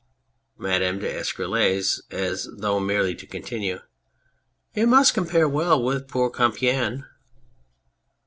MADAME D'ESCUROLLES (as though merely to continue}. It must compare well with poor Compiegne